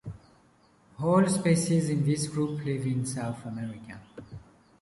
All species in this group live in South America.